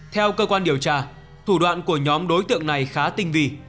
theo cơ quan điều tra thủ đoạn của nhóm đối tượng này khá tinh vị